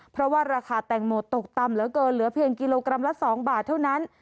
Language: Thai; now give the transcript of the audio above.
เพราะว่าราคาแตงโมตกต่ำเหลือเกินเหลือเพียงกิโลกรัมละ๒บาทเท่านั้น